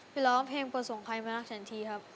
ไปร้องเพลงประสงค์ไพรมารักษันทีครับ